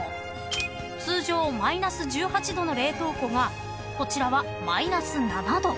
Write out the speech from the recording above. ［通常マイナス１８℃の冷凍庫がこちらはマイナス７℃］